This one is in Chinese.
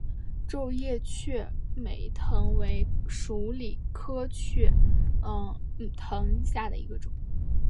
皱叶雀梅藤为鼠李科雀梅藤属下的一个种。